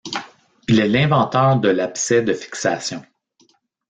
Il est l'inventeur de l'abcès de fixation.